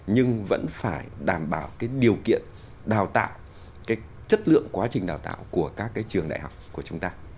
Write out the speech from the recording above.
nhưng vẫn phải đảm bảo cái điều kiện đào tạo cái chất lượng quá trình đào tạo của các cái trường đại học của chúng ta